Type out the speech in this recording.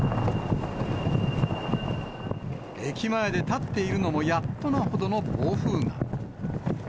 駅前で立っているのもやっとのほどの暴風が。